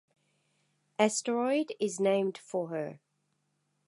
Asteroid is named for her.